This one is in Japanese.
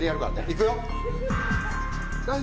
いくよ。